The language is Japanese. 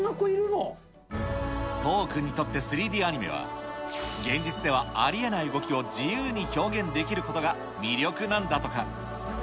都央君にとって３Ｄアニメは、現実ではありえない動きを自由に表現できることが魅力なんだとか。